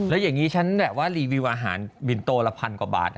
แล้วอย่างนี้ฉันว่ารีวิวอาหารบินโตละพันกว่าบาท